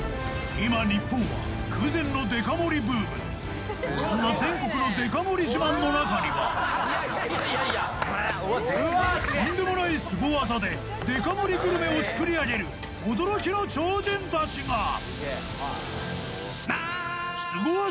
今日本は空前のデカ盛りブームそんな全国のデカ盛り自慢の中にはとんでもないスゴ技でデカ盛りグルメを作り上げる驚きの超人達が！